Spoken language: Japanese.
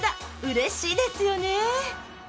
嬉しいですよね。